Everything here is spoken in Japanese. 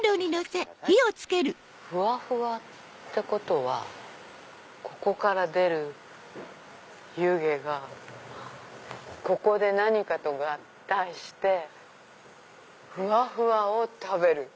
ふわふわってことはここから出る湯気がここで何かと合体してふわふわを食べる。